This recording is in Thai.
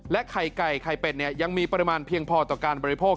ไข่ไก่ไข่เป็ดยังมีปริมาณเพียงพอต่อการบริโภค